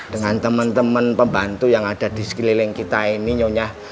dengan teman teman pembantu yang ada di sekeliling kita ini nyonya